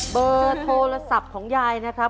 เบอร์โทรศัพท์ของยายนะครับ